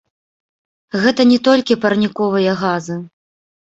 Гэта не толькі парніковыя газы.